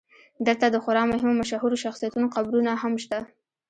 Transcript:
دلته د خورا مهمو مشهورو شخصیتونو قبرونه هم شته.